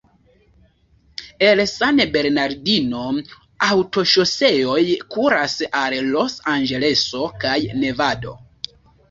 El San Bernardino aŭtoŝoseoj kuras al Los-Anĝeleso kaj Nevado.